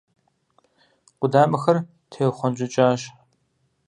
Къудамэхэр теухъуэнщӀыкӀащ.